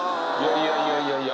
いやいやいやいや。